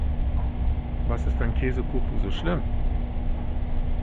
Was ist an Käsekuchen so schlimm?